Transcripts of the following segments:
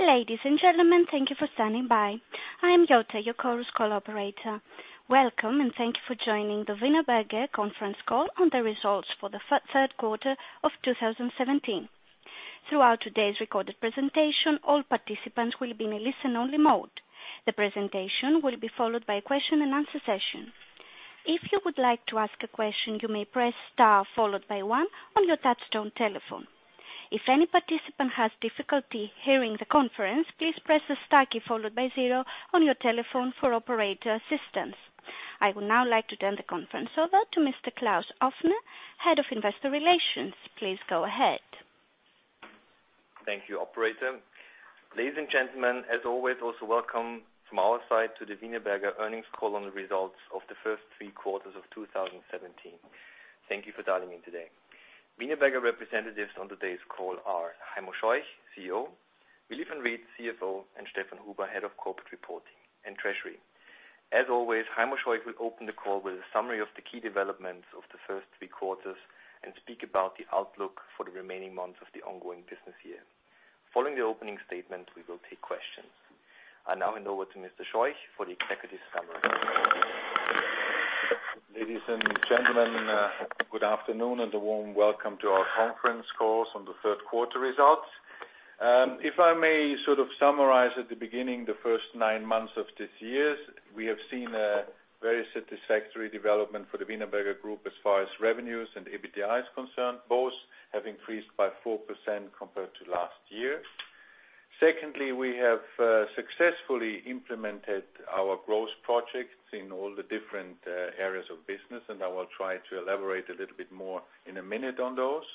Ladies and gentlemen, thank you for standing by. I am Yote, your Chorus Call operator. Welcome, and thank you for joining the Wienerberger conference call on the results for the third quarter of 2017. Throughout today's recorded presentation, all participants will be in a listen-only mode. The presentation will be followed by a question-and-answer session. If you would like to ask a question, you may press star followed by one on your touch-tone telephone. If any participant has difficulty hearing the conference, please press the star key followed by zero on your telephone for operator assistance. I would now like to turn the conference over to Mr. Klaus Aufner, Head of Investor Relations. Please go ahead. Thank you, operator. Ladies and gentlemen, as always, also welcome from our side to the Wienerberger earnings call on the results of the first three quarters of 2017. Thank you for dialing in today. Wienerberger representatives on today's call are Heimo Scheuch, CEO, Willy Van Riet, CFO, and Stefan Huber, Head of Corporate Reporting and Treasury. As always, Heimo Scheuch will open the call with a summary of the key developments of the first three quarters and speak about the outlook for the remaining months of the ongoing business year. Following the opening statement, we will take questions. I now hand over to Mr. Scheuch for the executive summary. Ladies and gentlemen, good afternoon, and a warm welcome to our conference calls on the third quarter results. If I may summarize at the beginning, the first nine months of this year, we have seen a very satisfactory development for the Wienerberger Group as far as revenues and EBITDA is concerned. Both have increased by 4% compared to last year. Secondly, we have successfully implemented our growth projects in all the different areas of business, and I will try to elaborate a little bit more in a minute on those.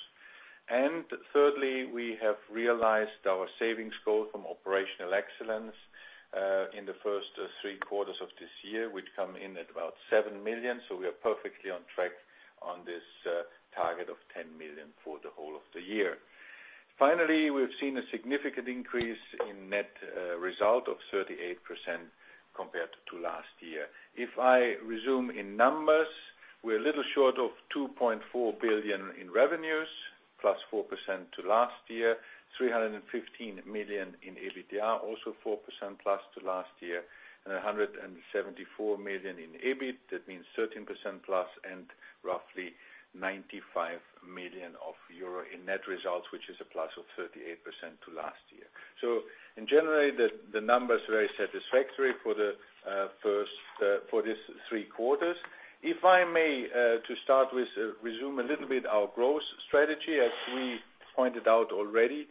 Thirdly, we have realized our savings goal from operational excellence, in the first three quarters of this year, which come in at about 7 million. We are perfectly on track on this target of 10 million for the whole of the year. Finally, we've seen a significant increase in net result of 38% compared to last year. If I resume in numbers, we're a little short of 2.4 billion in revenues, plus 4% to last year, 315 million in EBITDA, also 4% plus to last year, 174 million in EBIT. That means 13% plus and roughly 95 million euro in net results, which is a plus of 38% to last year. In general, the numbers are very satisfactory for these three quarters. If I may, to start with, resume a little bit our growth strategy. As we pointed out already,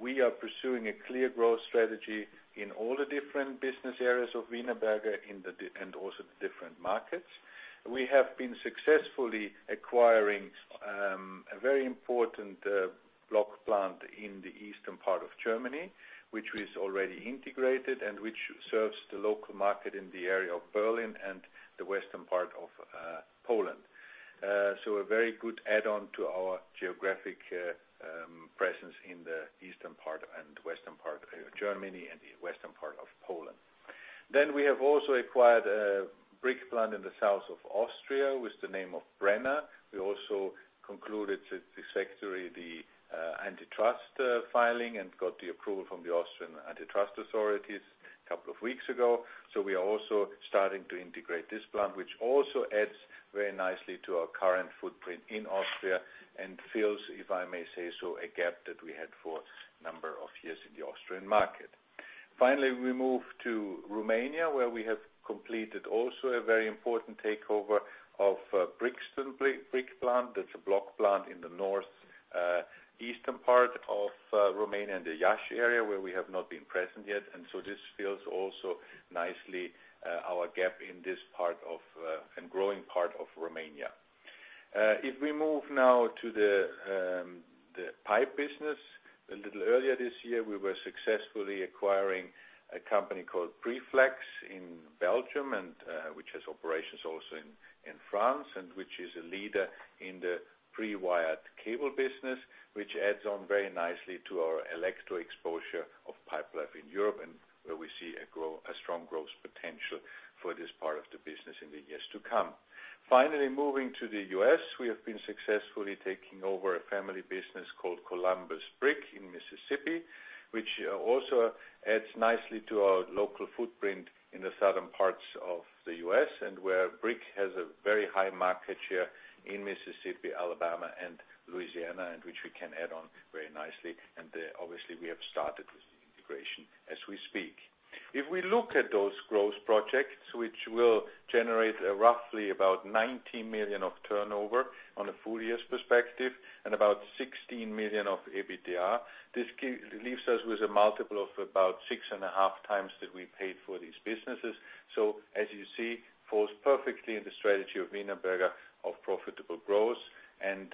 we are pursuing a clear growth strategy in all the different business areas of Wienerberger and also the different markets. We have been successfully acquiring a very important block plant in the eastern part of Germany, which is already integrated and which serves the local market in the area of Berlin and the western part of Poland. A very good add-on to our geographic presence in the eastern part and western part of Germany and the western part of Poland. Then we have also acquired a brick plant in the south of Austria with the name of Brenner. We also concluded successfully the antitrust filing and got the approval from the Austrian antitrust authorities a couple of weeks ago. We are also starting to integrate this plant, which also adds very nicely to our current footprint in Austria and fills, if I may say so, a gap that we had for a number of years in the Austrian market. Finally, we move to Romania, where we have completed also a very important takeover of Brikston brick plant. That's a block plant in the northeastern part of Romania, in the Iasi area, where we have not been present yet. This fills also nicely our gap in this growing part of Romania. If we move now to the pipe business, a little earlier this year, we were successfully acquiring a company called Preflex in Belgium, which has operations also in France and which is a leader in the pre-wired cable business, which adds on very nicely to our electro exposure of Pipelife in Europe and where we see a strong growth potential for this part of the business in the years to come. Finally, moving to the U.S., we have been successfully taking over a family business called Columbus Brick Company in Mississippi, which also adds nicely to our local footprint in the southern parts of the U.S. and where brick has a very high market share in Mississippi, Alabama, and Louisiana, and which we can add on very nicely. Obviously, we have started with the integration as we speak. If we look at those growth projects, which will generate roughly about 90 million of turnover on a full year's perspective and about 16 million of EBITDA, this leaves us with a multiple of about 6.5 times that we paid for these businesses. As you see, falls perfectly in the strategy of Wienerberger of profitable growth and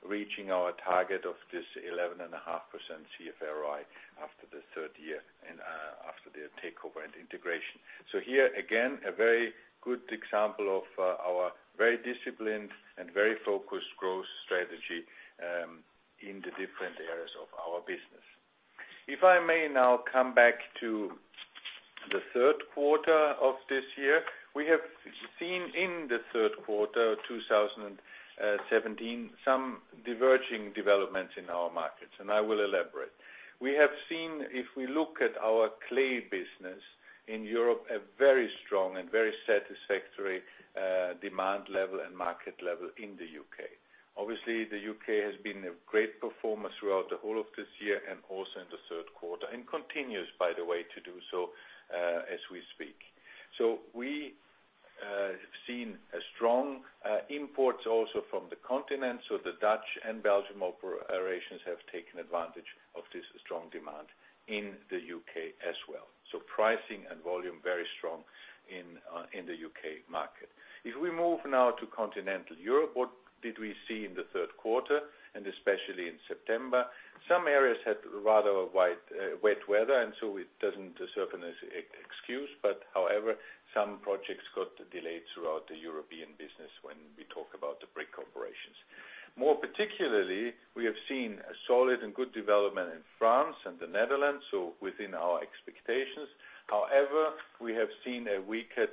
reaching our target of this 11.5% CFRI after the third year and after the takeover and integration. Here, again, a very good example of our very disciplined and very focused growth strategy, in the different areas of our business. If I may now come back to the third quarter of this year. We have seen in the third quarter of 2017, some diverging developments in our markets, and I will elaborate. We have seen, if we look at our clay business in Europe, a very strong and very satisfactory demand level and market level in the U.K. Obviously, the U.K. has been a great performer throughout the whole of this year and also in the third quarter, and continues, by the way, to do so as we speak. We have seen strong imports also from the continent. The Dutch and Belgian operations have taken advantage of this strong demand in the U.K. as well. Pricing and volume, very strong in the U.K. market. If we move now to Continental Europe, what did we see in the third quarter, and especially in September? Some areas had rather wet weather, and so it doesn't serve as an excuse, but however, some projects got delayed throughout the European business when we talk about the brick operations. More particularly, we have seen a solid and good development in France and the Netherlands, so within our expectations. We have seen a weaker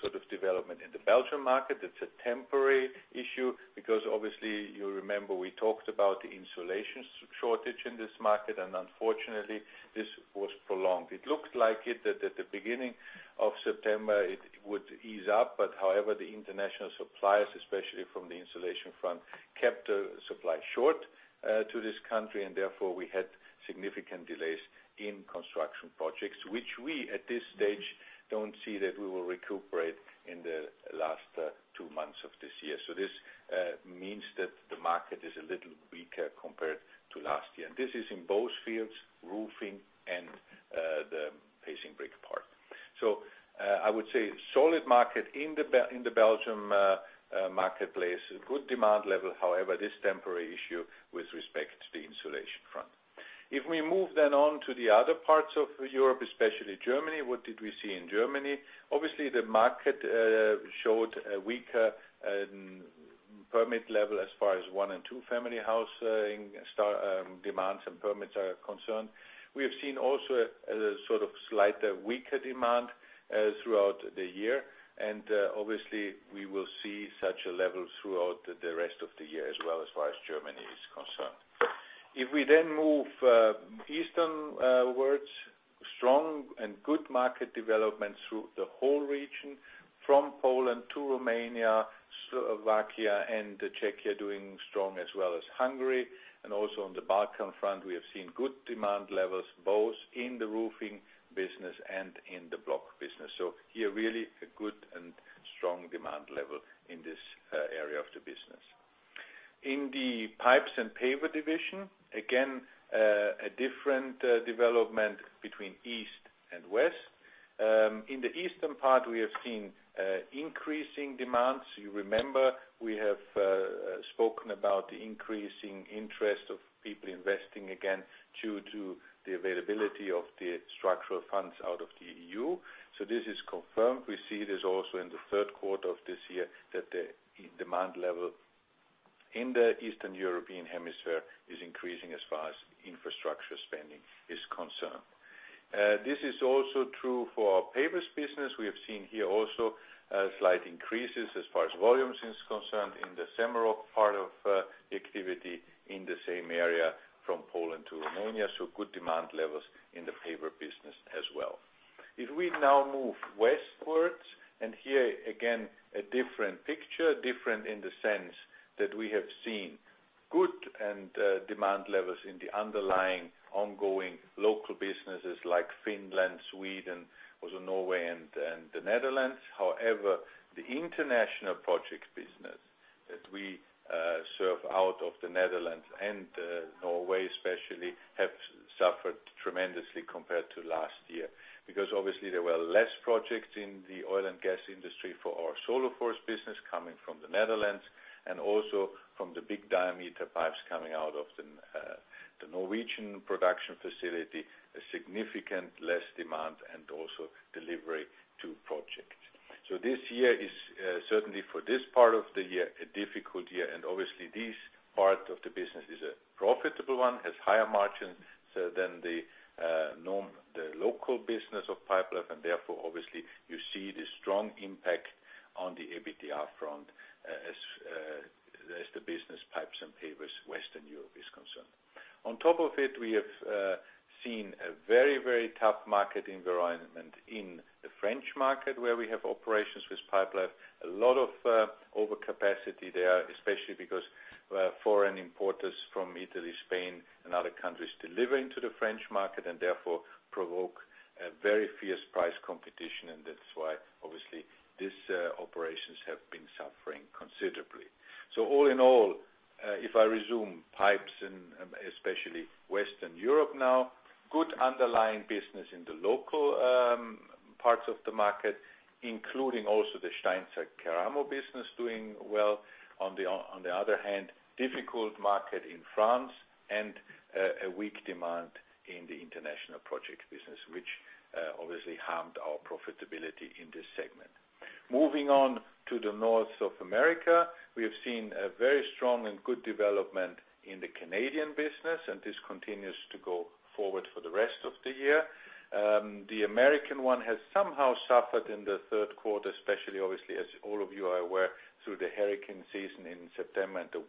sort of development in the Belgian market. It's a temporary issue because obviously you remember we talked about the insulation shortage in this market, and unfortunately this was prolonged. It looked like at the beginning of September it would ease up. The international suppliers, especially from the insulation front, kept supply short to this country, and therefore we had significant delays in construction projects, which we, at this stage, don't see that we will recuperate in the last two months of this year. This means that the market is a little weaker compared to last year, and this is in both fields, roofing and the facing brick part. I would say solid market in the Belgian marketplace. A good demand level. This temporary issue with respect to the insulation front. If we move on to the other parts of Europe, especially Germany, what did we see in Germany? The market showed a weaker permit level as far as one and two family housing demands and permits are concerned. We have seen also a sort of slighter weaker demand throughout the year, and obviously, we will see such a level throughout the rest of the year as well, as far as Germany is concerned. If we move easternwards, strong and good market development through the whole region, from Poland to Romania, Slovakia, and Czechia doing strong, as well as Hungary. Also on the Balkan front, we have seen good demand levels both in the roofing business and in the block business. Here, really a good and strong demand level in this area of the business. In the pipes and paver division, again, a different development between east and west. In the eastern part, we have seen increasing demands. You remember we have spoken about the increasing interest of people investing again due to the availability of the structural funds out of the EU. This is confirmed. We see this also in the third quarter of this year, that the demand level in the Eastern European hemisphere is increasing as far as infrastructure spending is concerned. This is also true for our pavers business. We have seen here also slight increases as far as volumes is concerned in the Semmelrock part of the activity in the same area from Poland to Romania. Good demand levels in the paver business as well. If we now move westwards, here again, a different picture. Different in the sense that we have seen good end demand levels in the underlying ongoing local businesses like Finland, Sweden, also Norway and The Netherlands. The international projects business that we serve out of The Netherlands and Norway especially, have suffered tremendously compared to last year. There were less projects in the oil and gas industry for our Soluforce business coming from The Netherlands, and also from the big diameter pipes coming out of the Norwegian production facility, a significant less demand and also delivery to projects. This year is certainly for this part of the year, a difficult year. This part of the business is a profitable one, has higher margins than the local business of Pipelife, and therefore obviously you see the strong impact on the EBITDA front as the business pipes and pavers Western Europe is concerned. On top of it, we have seen a very, very tough market environment in the French market where we have operations with Pipelife. A lot of overcapacity there, especially because foreign importers from Italy, Spain, and other countries delivering to the French market, and therefore provoke a very fierce price competition. That's why obviously these operations have been suffering considerably. All in all, if I resume pipes and especially Western Europe now, good underlying business in the local parts of the market, including also the Steinzeug-Keramo business doing well. On the other hand, difficult market in France and a weak demand in the international project business, which obviously harmed our profitability in this segment. Moving on to the north of America, we have seen a very strong and good development in the Canadian business, and this continues to go forward for the rest of the year. The American one has somehow suffered in the third quarter, especially obviously, as all of you are aware, through the hurricane season in September and the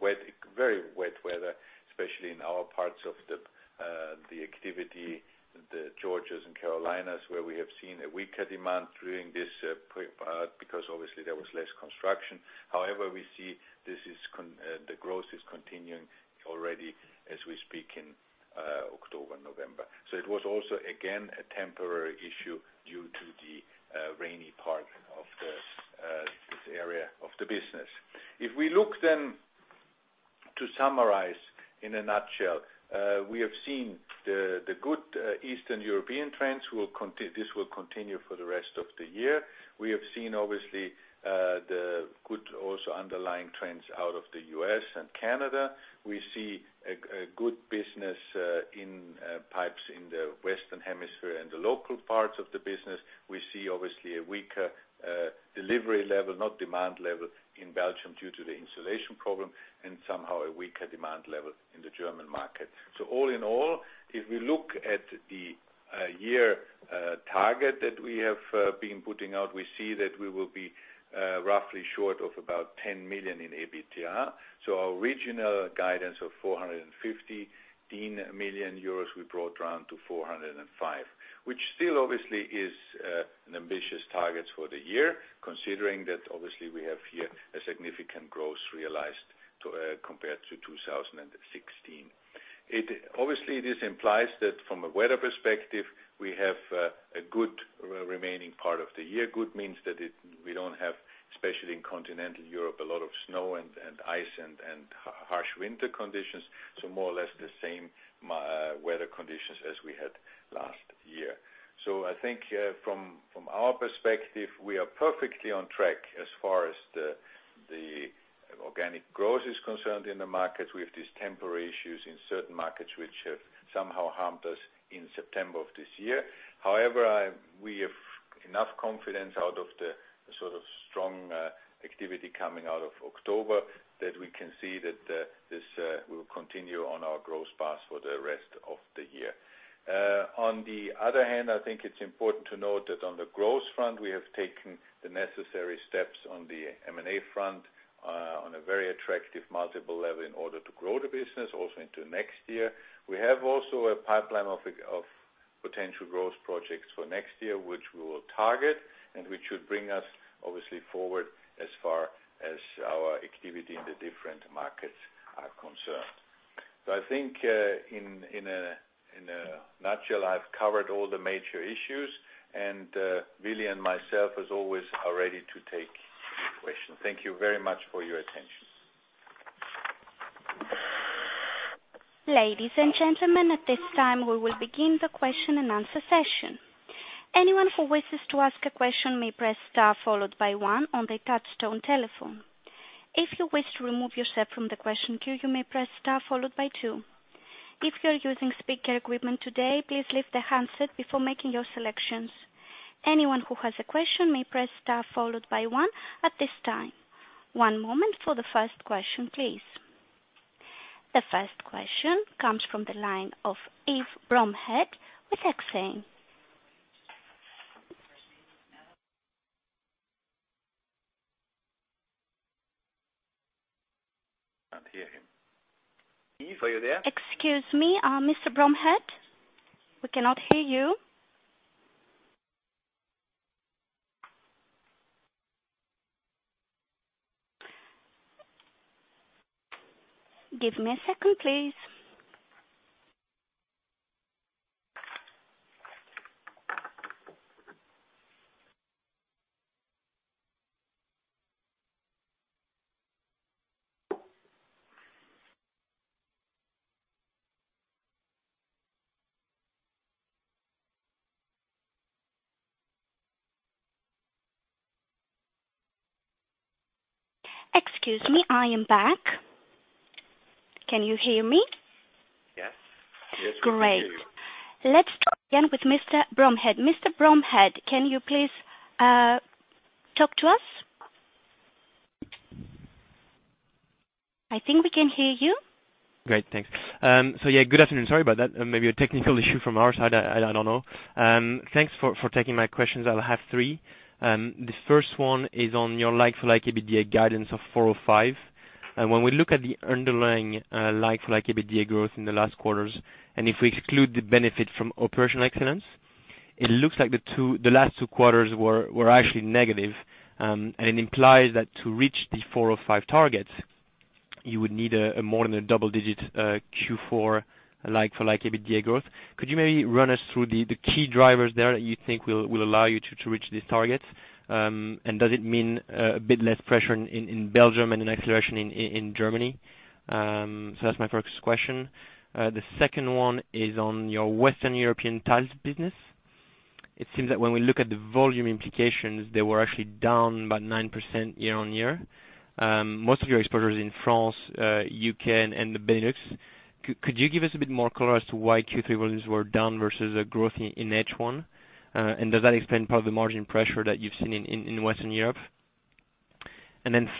very wet weather, especially in our parts of the activity, the Georgias and Carolinas, where we have seen a weaker demand during this, because obviously there was less construction. However, we see the growth is continuing already as we speak in October, November. It was also, again, a temporary issue due to the rainy part of this area of the business. If we look to summarize in a nutshell, we have seen the good Eastern European trends. This will continue for the rest of the year. We have seen, obviously, the good also underlying trends out of the U.S. and Canada. We see a good business in pipes in the Western Hemisphere and the local parts of the business. We see, obviously, a weaker delivery level, not demand level, in Belgium due to the insulation problem and somehow a weaker demand level in the German market. All in all, if we look at the year target that we have been putting out, we see that we will be roughly short of about 10 million in EBITDA. Our original guidance of 415 million euros we brought down to 405 million, which still obviously is an ambitious target for the year, considering that obviously we have here a significant growth realized compared to 2016. Obviously, this implies that from a weather perspective, we have a good remaining part of the year. Good means that we don't have, especially in continental Europe, a lot of snow and ice and harsh winter conditions, so more or less the same weather conditions as we had last year. I think from our perspective, we are perfectly on track as far as the organic growth is concerned in the market. We have these temporary issues in certain markets which have somehow harmed us in September of this year. However, we have enough confidence out of the strong activity coming out of October that we can see that this will continue on our growth path for the rest of the year. On the other hand, I think it's important to note that on the growth front, we have taken the necessary steps on the M&A front on a very attractive multiple level in order to grow the business also into next year. We have also a pipeline of potential growth projects for next year, which we will target and which should bring us obviously forward as far as our activity in the different markets are concerned. I think in a nutshell, I've covered all the major issues, and Willy and myself, as always, are ready to take any questions. Thank you very much for your attention. Ladies and gentlemen, at this time we will begin the question and answer session. Anyone who wishes to ask a question may press star followed by one on their touch-tone telephone. If you wish to remove yourself from the question queue, you may press star followed by two. If you are using speaker equipment today, please lift the handset before making your selections. Anyone who has a question may press star followed by one at this time. One moment for the first question, please. The first question comes from the line of Yves Bremond with Exane. Can't hear him. Yves, are you there? Excuse me, Mr. Bremond. We cannot hear you. Give me a second, please. Excuse me, I am back. Can you hear me? Yes. Great. Let's try again with Mr. Bremond. Mr. Bremond, can you please talk to us? I think we can hear you. Great, thanks. Good afternoon. Sorry about that. Maybe a technical issue from our side, I don't know. Thanks for taking my questions. I have three. The first one is on your like-for-like EBITDA guidance of 4%-5%. When we look at the underlying like-for-like EBITDA growth in the last quarters, if we exclude the benefit from operational excellence, it looks like the last two quarters were actually negative. It implies that to reach the 4%-5% targets, you would need more than a double-digit Q4 like-for-like EBITDA growth. Could you maybe run us through the key drivers there that you think will allow you to reach these targets? Does it mean a bit less pressure in Belgium and an acceleration in Germany? That's my first question. The second one is on your Western European tiles business. It seems that when we look at the volume implications, they were actually down by 9% year-on-year. Most of your exposure is in France, U.K., and the Benelux. Could you give us a bit more color as to why Q3 volumes were down versus a growth in H1? Does that explain part of the margin pressure that you've seen in Western Europe?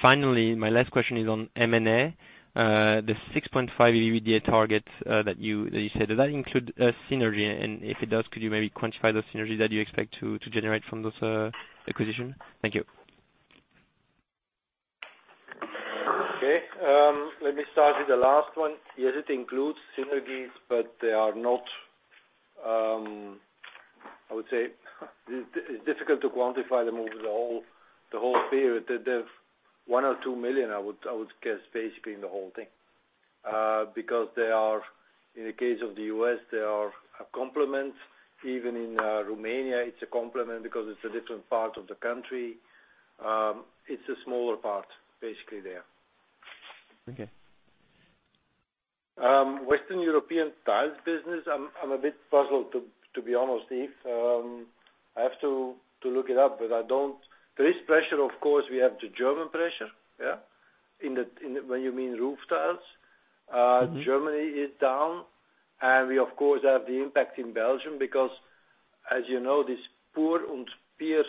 Finally, my last question is on M&A, the 6.5 EBITDA target that you said. Does that include synergy? If it does, could you maybe quantify the synergy that you expect to generate from this acquisition? Thank you. Okay. Let me start with the last one. Yes, it includes synergies, but I would say it's difficult to quantify them over the whole period. They're 1 million-2 million, I would guess, basically, in the whole thing. In the case of the U.S., they are a complement. Even in Romania, it's a complement because it's a different part of the country. It's a smaller part, basically there. Okay. Western European tiles business, I'm a bit puzzled to be honest, Yves. I have to look it up. There is pressure, of course. We have the German pressure, yeah? When you mean roof tiles, Germany is down, and we of course have the impact in Belgium because, as you know, this PUR and PIR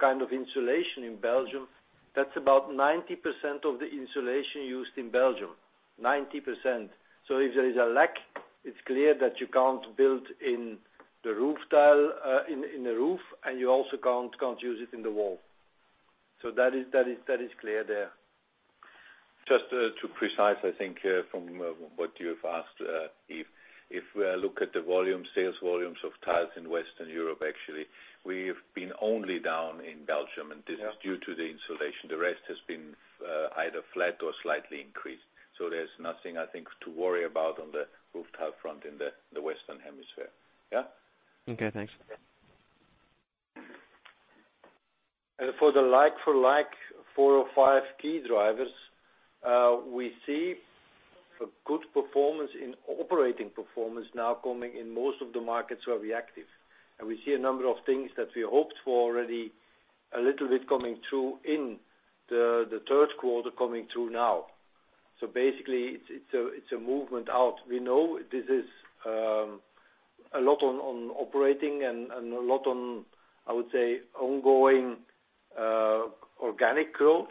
kind of insulation in Belgium, that's about 90% of the insulation used in Belgium. 90%. If there is a lack, it's clear that you can't build in the roof tile in the roof, and you also can't use it in the wall. That is clear there. Just to precise, I think from what you've asked, Yves, if we look at the sales volumes of tiles in Western Europe, actually, we've been only down in Belgium, and this is due to the insulation. The rest has been either flat or slightly increased. There's nothing, I think, to worry about on the rooftop front in the Western Hemisphere. Yeah? Okay, thanks. For the like-for-like four or five key drivers, we see a good performance in operating performance now coming in most of the markets where we're active. We see a number of things that we hoped for already a little bit coming through in the third quarter coming through now. Basically, it's a movement out. We know this is a lot on operating and a lot on, I would say, ongoing organic growth.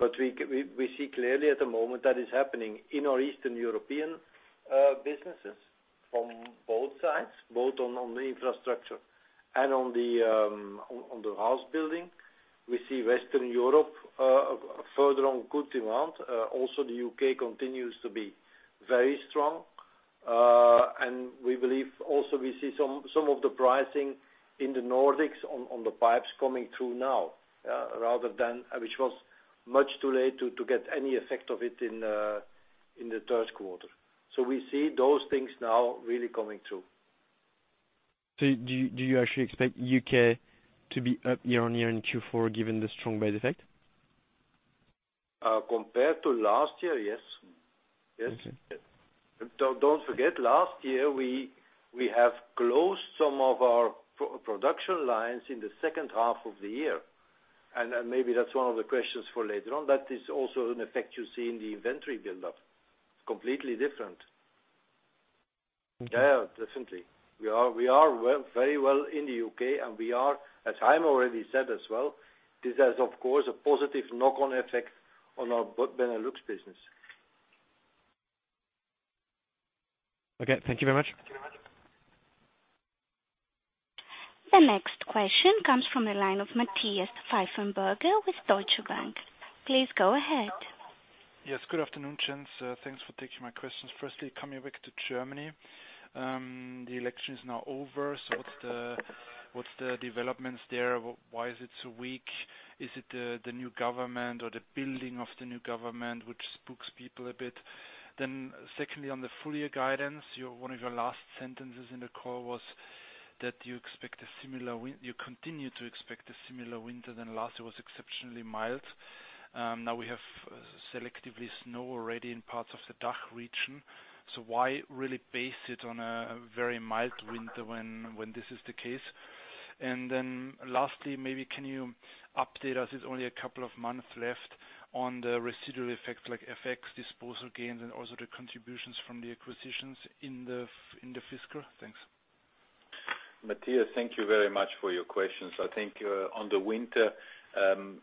We see clearly at the moment that is happening in our Eastern European businesses on both sides, both on the infrastructure and on the house building. We see Western Europe further on good demand. The U.K. continues to be very strong. We believe also we see some of the pricing in the Nordics on the pipes coming through now, which was much too late to get any effect of it in the third quarter. We see those things now really coming through. Do you actually expect U.K. to be up year-over-year in Q4 given the strong base effect? Compared to last year, yes. Okay. Don't forget, last year we have closed some of our production lines in the second half of the year, maybe that's one of the questions for later on. That is also an effect you see in the inventory buildup. Completely different. Yeah, definitely. We are very well in the U.K., as Heimo already said as well, this has, of course, a positive knock-on effect on our Benelux business. Okay. Thank you very much. Thank you very much. The next question comes from the line of Matthias Pfeifenberger with Deutsche Bank. Please go ahead. Yes, good afternoon, gents. Thanks for taking my questions. Firstly, coming back to Germany. The election is now over. What's the developments there? Why is it so weak? Is it the new government or the building of the new government which spooks people a bit? Secondly, on the full year guidance, one of your last sentences in the call was that you continue to expect a similar winter than last year was exceptionally mild. Now we have selectively snow already in parts of the DACH region. Why really base it on a very mild winter when this is the case? Lastly, maybe can you update us, it's only a couple of months left, on the residual effects like FX disposal gains and also the contributions from the acquisitions in the fiscal? Thanks. Matthias, thank you very much for your questions. I think on the winter,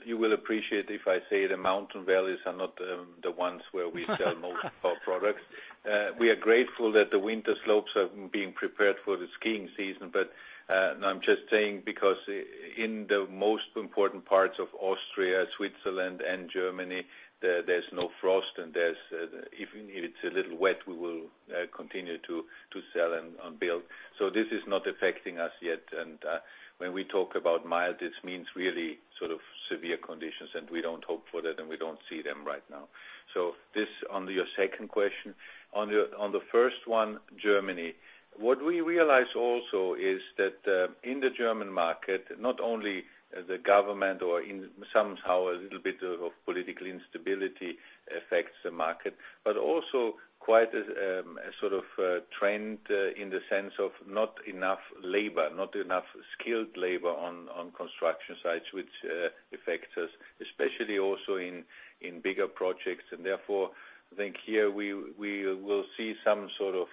you will appreciate if I say the mountain valleys are not the ones where we sell most of our products. We are grateful that the winter slopes are being prepared for the skiing season. I'm just saying because in the most important parts of Austria, Switzerland and Germany, there's no frost and if it's a little wet, we will continue to sell and build. This is not affecting us yet. When we talk about mild, this means really sort of severe conditions, and we don't hope for that, and we don't see them right now. This on your second question. On the first one, Germany. What we realize also is that in the German market, not only the government or somehow a little bit of political instability affects the market, but also quite a sort of trend in the sense of not enough labor, not enough skilled labor on construction sites, which affects us especially also in bigger projects, therefore, I think here we will see some sort of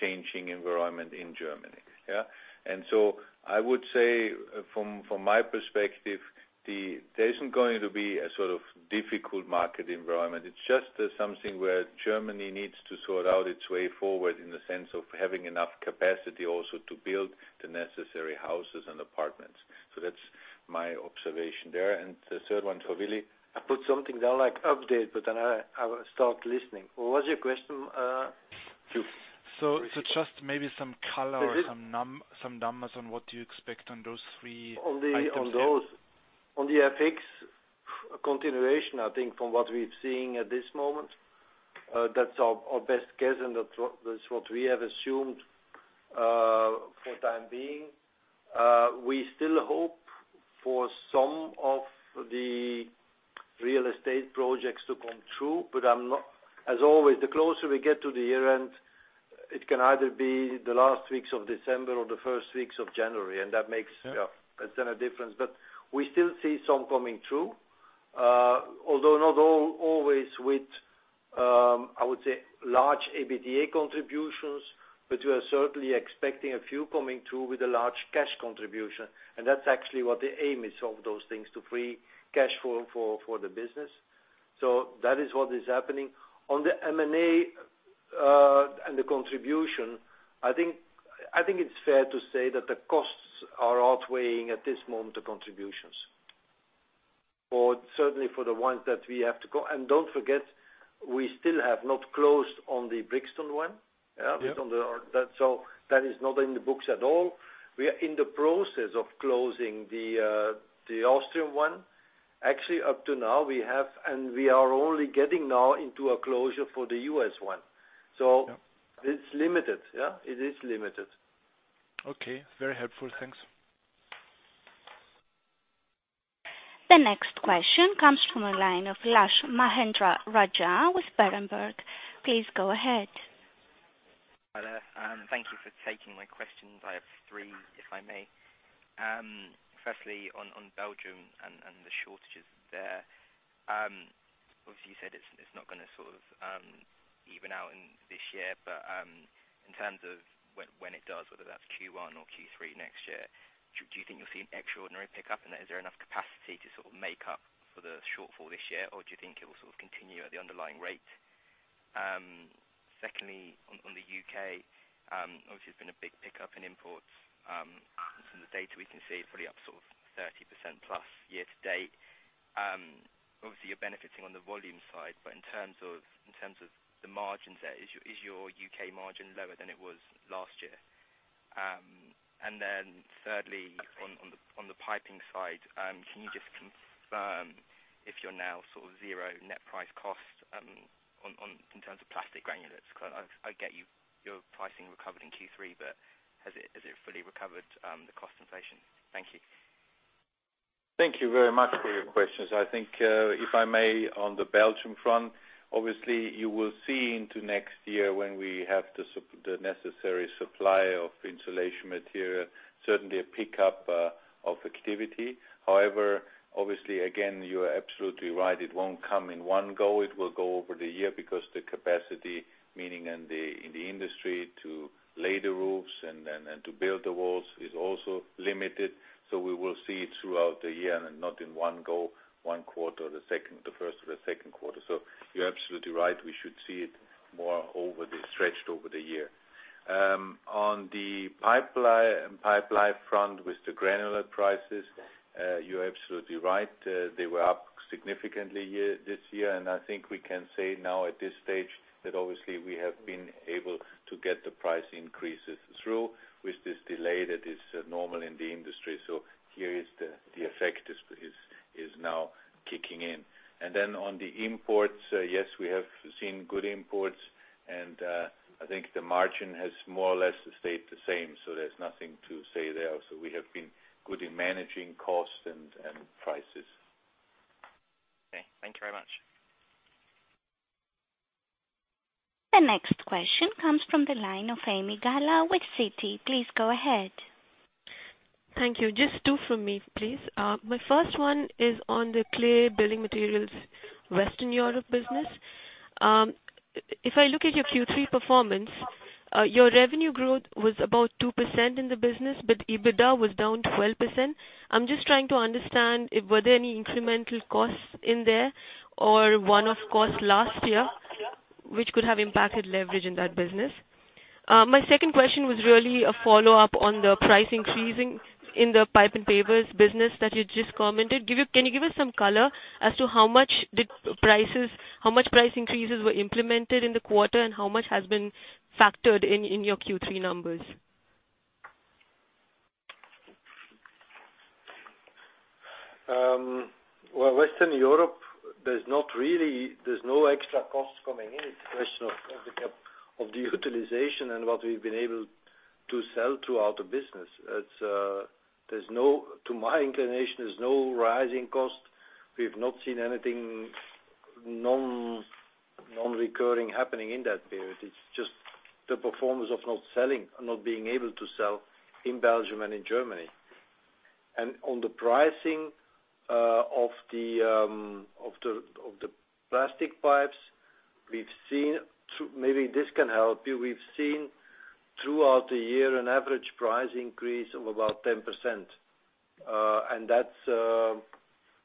changing environment in Germany. I would say from my perspective, there isn't going to be a sort of difficult market environment. It's just something where Germany needs to sort out its way forward in the sense of having enough capacity also to build the necessary houses and apartments. That's my observation there. The third one for Willy. I put something down like update, I will start listening. What was your question? Just maybe some color or some numbers on what you expect on those three items. On the FX continuation, I think from what we are seeing at this moment, that is our best guess and that is what we have assumed for the time being. We still hope for some of the real estate projects to come through. As always, the closer we get to the year-end, it can either be the last weeks of December or the first weeks of January, and that makes Yeah A ton of difference. We still see some coming through. Although not always with, I would say, large EBITDA contributions, but we are certainly expecting a few coming through with a large cash contribution. That is actually what the aim is of those things, to free cash flow for the business. That is what is happening. On the M&A and the contribution, I think it is fair to say that the costs are outweighing, at this moment, the contributions. Certainly for the ones that we have to go. Do not forget, we still have not closed on the Brikston one. Yeah. That is not in the books at all. We are in the process of closing the Austrian one. Actually, up to now, we are only getting now into a closure for the U.S. one. Yeah. It is limited. Yeah. It is limited. Okay. Very helpful. Thanks. The next question comes from the line of Lasko Mahendran with Berenberg. Please go ahead. Hi there. Thank you for taking my questions. I have three, if I may. Firstly, on Belgium and the shortages there. Obviously, you said it is not going to even out this year. But in terms of when it does, whether that is Q1 or Q3 next year, do you think you will see an extraordinary pickup? And is there enough capacity to sort of make up for the shortfall this year, or do you think it will continue at the underlying rate? Secondly, on the U.K., obviously, there has been a big pickup in imports. From the data we can see, probably up sort of 30%+ year-to-date. Obviously, you are benefiting on the volume side, but in terms of the margins there, is your U.K. margin lower than it was last year? Thirdly, on the piping side, can you just confirm if you are now sort of zero net price cost in terms of plastic granules? Because I get your pricing recovered in Q3, but has it fully recovered the cost inflation? Thank you. Thank you very much for your questions. I think if I may, on the Belgium front, obviously you will see into next year when we have the necessary supply of insulation material, certainly a pickup of activity. However, obviously, again, you are absolutely right. It won't come in one go. It will go over the year because the capacity, meaning in the industry to lay the roofs and to build the walls is also limited. We will see it throughout the year and not in one go, one quarter, the first or the second quarter. You're absolutely right. We should see it more stretched over the year. On the pipeline front with the granule prices, you're absolutely right. They were up significantly this year, and I think we can say now at this stage that obviously we have been able to get the price increases through with this delay that is normal in the industry. Here the effect is now kicking in. On the imports, yes, we have seen good imports, and I think the margin has more or less stayed the same, so there's nothing to say there. We have been good in managing costs and prices. Okay. Thank you very much. The next question comes from the line of Arpine Galyan with Stifel. Please go ahead. Thank you. Just two from me, please. My first one is on the Clay Building Materials Europe West business. If I look at your Q3 performance, your revenue growth was about 2% in the business, but EBITDA was down 12%. I am just trying to understand were there any incremental costs in there or one-off costs last year, which could have impacted leverage in that business? My second question was really a follow-up on the pricing fees in the pipe and pavers business that you just commented. Can you give us some color as to how much price increases were implemented in the quarter and how much has been factored in your Q3 numbers? Well, Western Europe, there is no extra costs coming in. It is a question of the utilization and what we have been able to sell throughout the business. To my inclination, there is no rising cost. We have not seen anything non-recurring happening in that period. It is just the performance of not selling or not being able to sell in Belgium and in Germany. On the pricing of the plastic pipes, maybe this can help you. We have seen throughout the year an average price increase of about 10%, and that is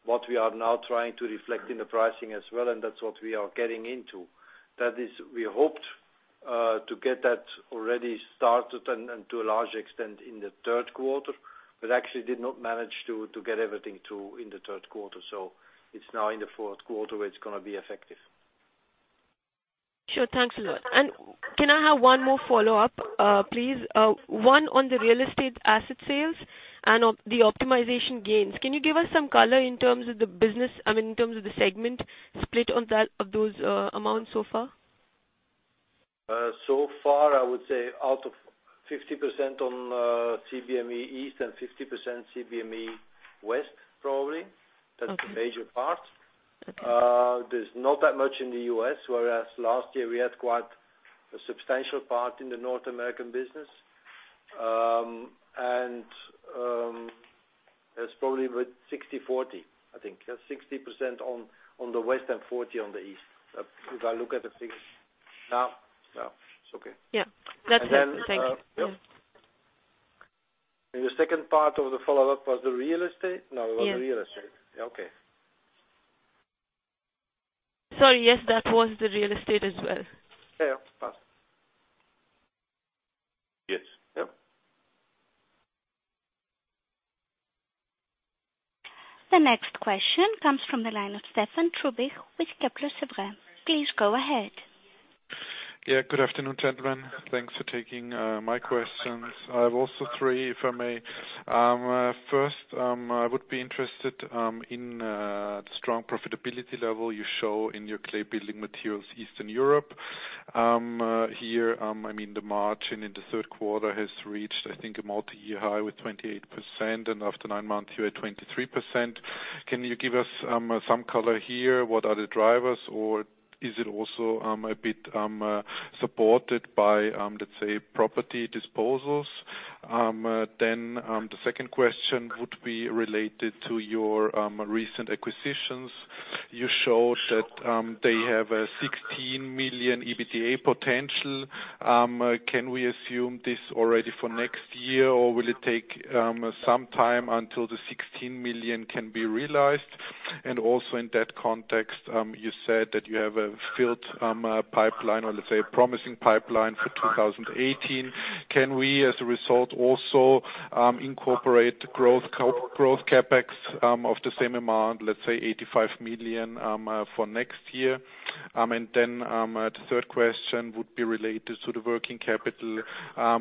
what we are now trying to reflect in the pricing as well, and that is what we are getting into. That is, we hoped to get that already started and to a large extent in the third quarter, but actually did not manage to get everything through in the third quarter. It is now in the fourth quarter where it is going to be effective. Sure. Thanks a lot. Can I have one more follow-up, please? One on the real estate asset sales and the optimization gains. Can you give us some color in terms of the segment split of those amounts so far? So far, I would say out of 50% on CBME East and 50% CBME West, probably. Okay. That's the major part. Okay. There's not that much in the U.S., whereas last year we had quite a substantial part in the North American business. That's probably about 60-40, I think. 60% on the West and 40 on the East. If I look at the figures now. It's okay. That's helpful. Thank you. The second part of the follow-up was the real estate? Yes. No, it was the real estate. Okay. Sorry. Yes, that was the real estate as well. Yeah. It's possible. Yes. Yep. The next question comes from the line of Stephan Trubisch with Credit Suisse. Please go ahead. Good afternoon, gentlemen. Thanks for taking my questions. I have also three if I may. First, I would be interested in the strong profitability level you show in your Clay Building Materials Europe East. Here, the margin in the third quarter has reached, I think, a multi-year high with 28%, and after nine months, you're at 23%. Can you give us some color here? What are the drivers, or is it also a bit supported by, let's say, property disposals? The second question would be related to your recent acquisitions. You showed that they have a 16 million EBITDA potential. Can we assume this already for next year, or will it take some time until the 16 million can be realized? Also in that context, you said that you have a filled pipeline or, let's say, a promising pipeline for 2018. Can we, as a result, also incorporate growth CapEx of the same amount, let's say 85 million, for next year? The third question would be related to the working capital,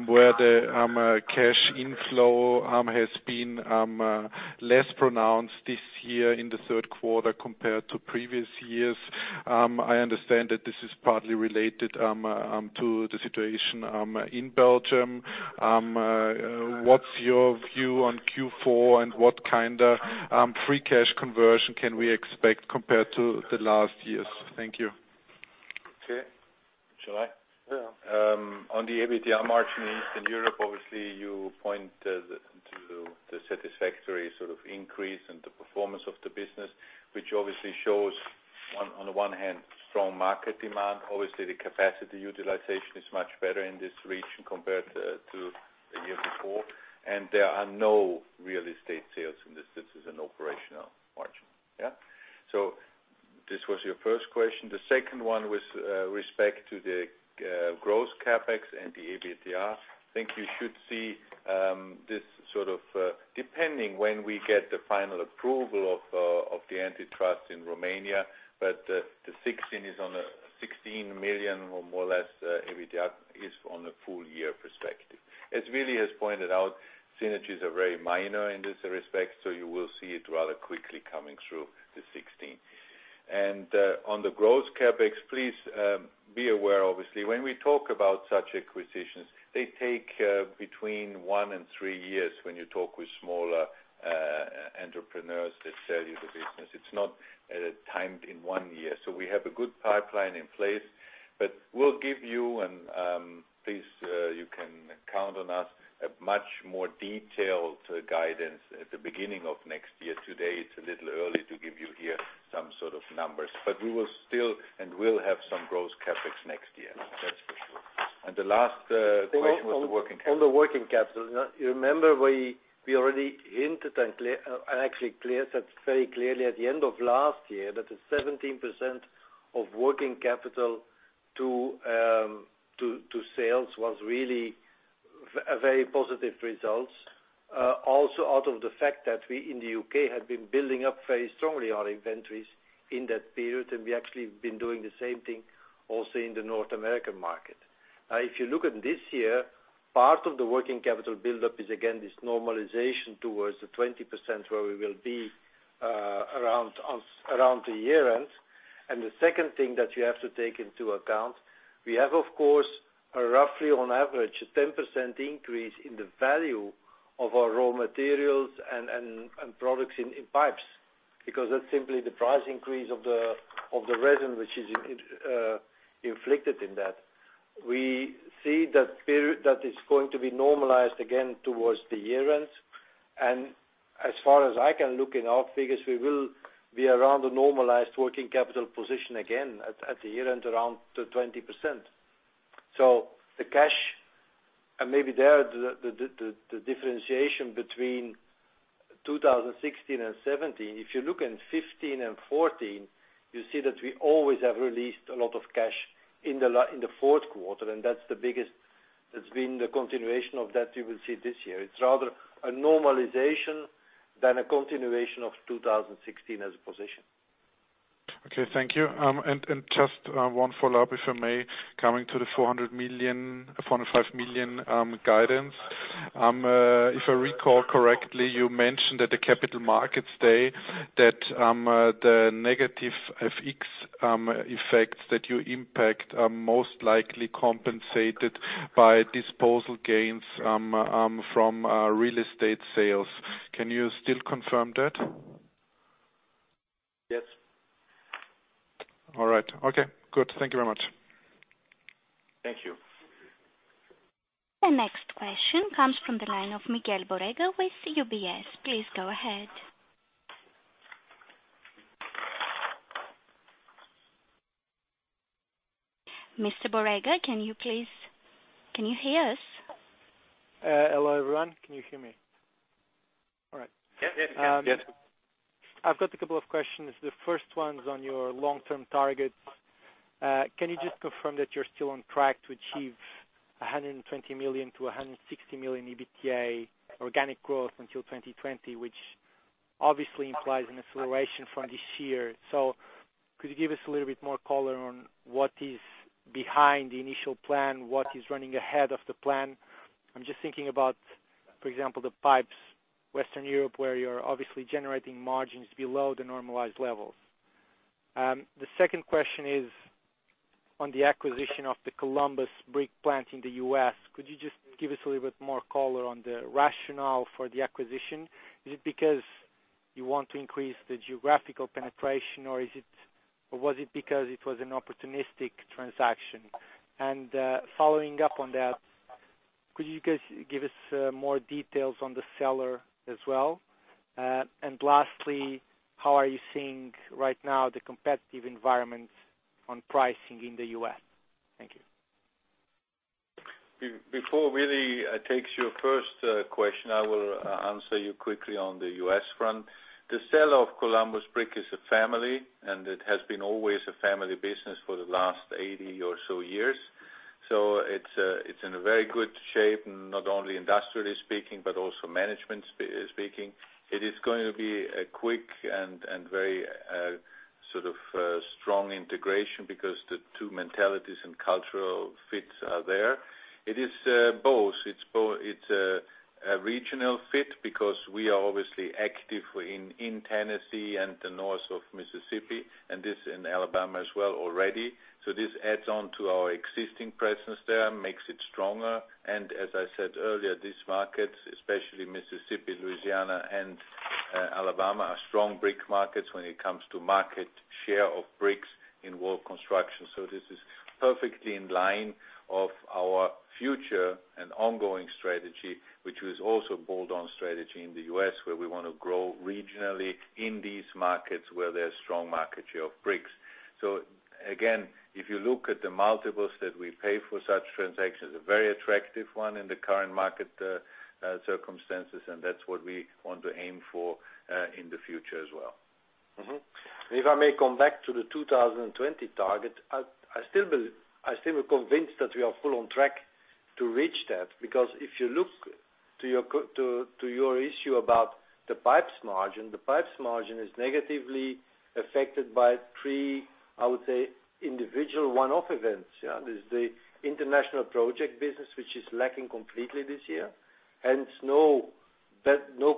where the cash inflow has been less pronounced this year in the third quarter compared to previous years. I understand that this is partly related to the situation in Belgium. What's your view on Q4 and what kind of free cash conversion can we expect compared to the last years? Thank you. Okay. Shall I? Yeah. On the EBITDA margin in Eastern Europe, obviously, you point to the satisfactory sort of increase and the performance of the business, which obviously shows on the one hand, strong market demand. Obviously, the capacity utilization is much better in this region compared to the year before, and there are no real estate sales in this. This is an operational margin. Yeah? This was your first question. The second one with respect to the gross CapEx and the EBITDA. I think you should see this sort of, depending when we get the final approval of the antitrust in Romania, but the 16 million or more or less EBITDA is on a full year perspective. As Willy has pointed out, synergies are very minor in this respect, so you will see it rather quickly coming through the 16 million. On the gross CapEx, please be aware, obviously, when we talk about such acquisitions, they take between one and three years when you talk with smaller entrepreneurs that sell you the business, it's not timed in one year. We have a good pipeline in place, but we will give you, and please, you can count on us, a much more detailed guidance at the beginning of next year. Today, it's a little early to give you here some sort of numbers. We will still and will have some gross CapEx next year. That's for sure. The last question was the working capital. On the working capital, you remember we already hinted and actually said very clearly at the end of last year that the 17% of working capital to sales was really a very positive result. Also out of the fact that we in the U.K. had been building up very strongly our inventories in that period, and we actually have been doing the same thing also in the North American market. If you look at this year, part of the working capital buildup is again this normalization towards the 20% where we will be around the year-end. The second thing that you have to take into account, we have, of course, a roughly on average a 10% increase in the value of our raw materials and products in pipes. That's simply the price increase of the resin, which is reflected in that. We see that period that is going to be normalized again towards the year-end. As far as I can look in our figures, we will be around a normalized working capital position again at the year-end, around 20%. The cash, and maybe there the differentiation between 2016 and 2017. If you look in 2015 and 2014, you see that we always have released a lot of cash in the fourth quarter, and that's the biggest. It's been the continuation of that, you will see this year. It's rather a normalization than a continuation of 2016 as a position. Okay, thank you. Just one follow-up, if I may, coming to the 405 million guidance. If I recall correctly, you mentioned at the Capital Markets Day that the negative FX effects that you impact are most likely compensated by disposal gains from real estate sales. Can you still confirm that? Yes. All right. Okay, good. Thank you very much. Thank you. The next question comes from the line of Miguel Borrega with UBS. Please go ahead. Mr. Borrega, can you hear us? Hello, everyone. Can you hear me? All right. Yes. I have got a couple of questions. The first one is on your long-term targets. Can you just confirm that you are still on track to achieve 120 million-160 million EBITDA organic growth until 2020, which obviously implies an acceleration from this year. Could you give us a little bit more color on what is behind the initial plan, what is running ahead of the plan? I am just thinking about, for example, the Pipelife Western Europe, where you are obviously generating margins below the normalized levels. The second question is on the acquisition of the Columbus Brick plant in the U.S. Could you just give us a little bit more color on the rationale for the acquisition? Is it because you want to increase the geographical penetration, or was it because it was an opportunistic transaction? Following up on that, could you guys give us more details on the seller as well? Lastly, how are you seeing right now the competitive environment on pricing in the U.S.? Thank you. Before Willy takes your first question, I will answer you quickly on the U.S. front. The seller of Columbus Brick is a family, and it has been always a family business for the last 80 or so years. It is in a very good shape, not only industrially speaking, but also management speaking. It is going to be a quick and very strong integration because the two mentalities and cultural fits are there. It is both. It is a regional fit because we are obviously active in Tennessee and the north of Mississippi, and this in Alabama as well already. This adds on to our existing presence there, makes it stronger. As I said earlier, these markets, especially Mississippi, Louisiana, and Alabama, are strong brick markets when it comes to market share of bricks in wall construction. This is perfectly in line of our future and ongoing strategy, which was also bolt-on strategy in the U.S., where we want to grow regionally in these markets where there is strong market share of bricks. Again, if you look at the multiples that we pay for such transactions, a very attractive one in the current market circumstances, and that is what we want to aim for in the future as well. If I may come back to the 2020 target, I still am convinced that we are full on track to reach that, because if you look to your issue about the pipes margin, the pipes margin is negatively affected by three, I would say, individual one-off events. There's the international project business, which is lacking completely this year, hence no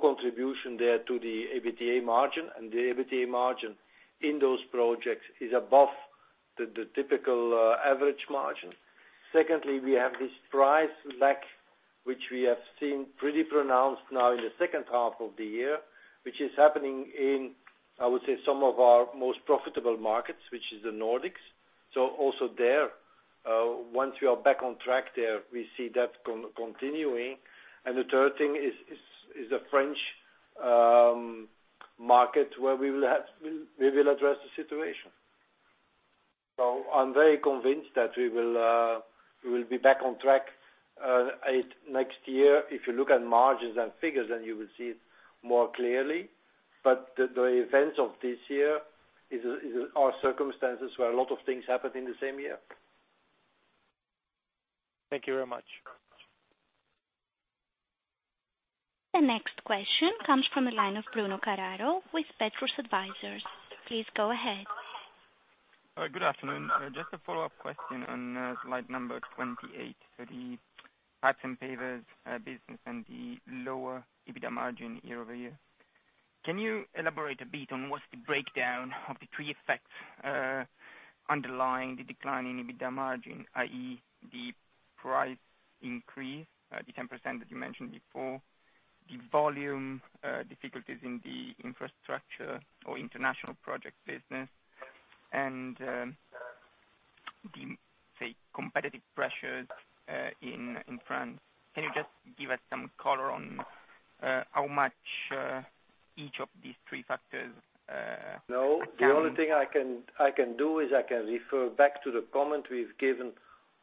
contribution there to the EBITDA margin, and the EBITDA margin in those projects is above the typical average margin. Secondly, we have this price lack, which we have seen pretty pronounced now in the second half of the year, which is happening in, I would say, some of our most profitable markets, which is the Nordics. Also there, once we are back on track there, we see that continuing. The third thing is the French market, where we will address the situation. I'm very convinced that we will be back on track next year. If you look at margins and figures, then you will see it more clearly. The events of this year are circumstances where a lot of things happened in the same year. Thank you very much. The next question comes from the line of Bruno Ceron with Bedford Advisors. Please go ahead. Good afternoon. Just a follow-up question on slide 28, the pipes and pavers business and the lower EBITDA margin year-over-year. Can you elaborate a bit on what's the breakdown of the three effects underlying the decline in EBITDA margin, i.e., the price increase, the 10% that you mentioned before, the volume difficulties in the infrastructure or international project business and the competitive pressures in France. Can you just give us some color on how much each of these three factors count? The only thing I can do is I can refer back to the comment we've given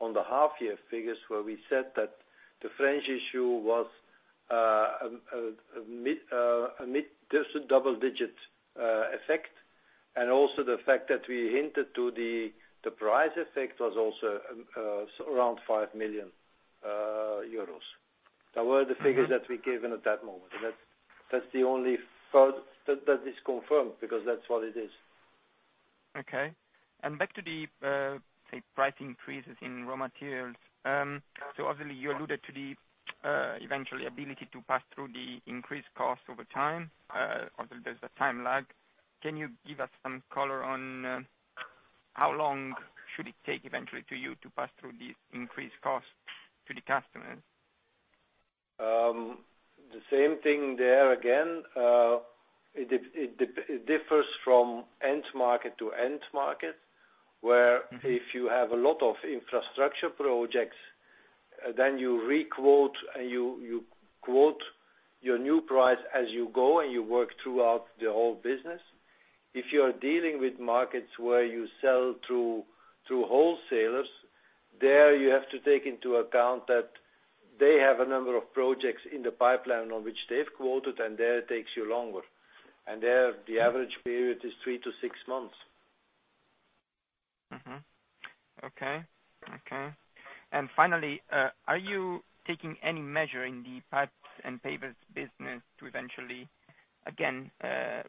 on the half-year figures where we said that the French issue was a mid to double-digit effect. Also the fact that we hinted to the price effect was also around 5 million euros. That were the figures that we gave at that moment. That is confirmed because that's what it is. Back to the price increases in raw materials. Obviously, you alluded to the eventual ability to pass through the increased cost over time. Obviously, there's a time lag. Can you give us some color on how long should it take eventually to you to pass through these increased costs to the customers? The same thing there again. It differs from end market to end market, where if you have a lot of infrastructure projects, you re-quote and you quote your new price as you go, and you work throughout the whole business. If you're dealing with markets where you sell through wholesalers, there you have to take into account that they have a number of projects in the pipeline on which they've quoted, there it takes you longer. There, the average period is 3-6 months. Okay. Finally, are you taking any measure in the pipes and pavers business to eventually, again,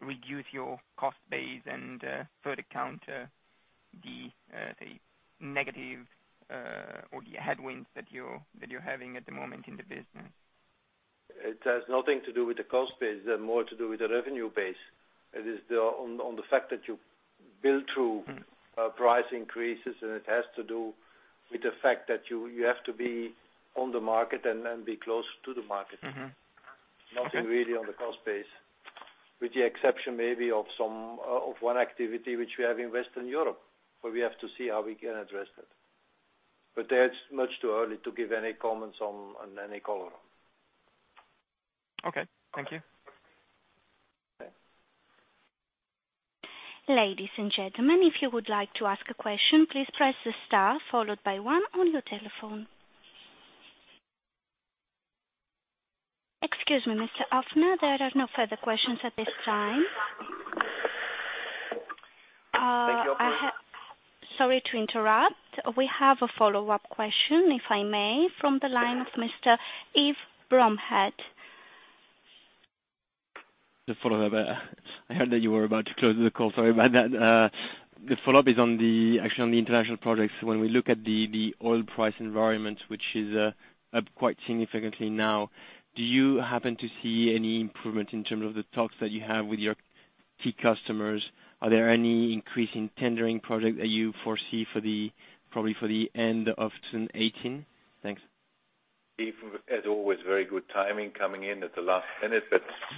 reduce your cost base and further counter the negative or the headwinds that you're having at the moment in the business? It has nothing to do with the cost base, it's more to do with the revenue base. It is on the fact that you build through price increases, it has to do with the fact that you have to be on the market and be close to the market. Nothing really on the cost base, with the exception maybe of one activity which we have in Western Europe, where we have to see how we can address that. That's much too early to give any comments and any color on. Okay. Thank you. Okay. Ladies and gentlemen, if you would like to ask a question, please press the star followed by one on your telephone. Excuse me, Mr. Aufner, there are no further questions at this time. Thank you, operator. Sorry to interrupt. We have a follow-up question, if I may, from the line of Mr. Yves Bremond. The follow-up. I heard that you were about to close the call. Sorry about that. The follow-up is on the action on the international projects. When we look at the oil price environment, which is up quite significantly now, do you happen to see any improvement in terms of the talks that you have with your key customers? Are there any increase in tendering project that you foresee probably for the end of 2018? Thanks. Yves, as always, very good timing coming in at the last minute.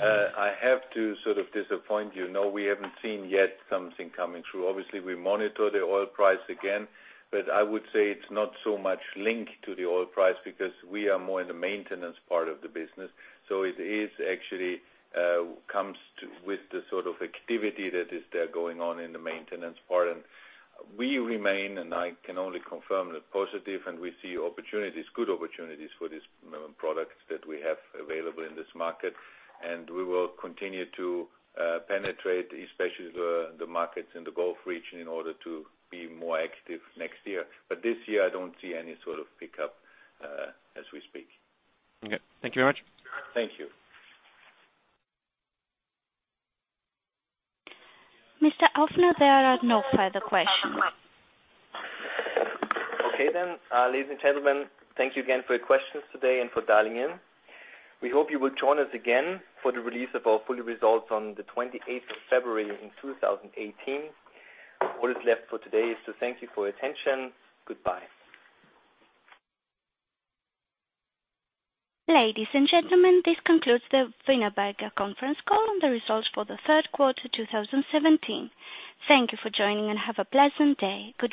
I have to sort of disappoint you. No, we haven't seen yet something coming through. Obviously, we monitor the oil price again, I would say it's not so much linked to the oil price because we are more in the maintenance part of the business. It actually comes with the sort of activity that is there going on in the maintenance part. We remain, and I can only confirm the positive, and we see opportunities, good opportunities for these products that we have available in this market, and we will continue to penetrate, especially the markets in the Gulf region in order to be more active next year. This year, I don't see any sort of pickup as we speak. Okay. Thank you very much. Thank you. Mr. Offner, there are no further questions. Okay. Ladies and gentlemen, thank you again for your questions today and for dialing in. We hope you will join us again for the release of our full-year results on the 28th of February in 2018. All that's left for today is to thank you for your attention. Goodbye. Ladies and gentlemen, this concludes the Wienerberger conference call on the results for the third quarter 2017. Thank you for joining and have a pleasant day. Goodbye.